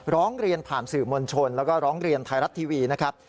ร้องเรียนผ่านสื่อมวลชนแล้วก็ร้องเรียนไทยรัฐทีวีนะครับ